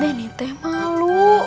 denny teh malu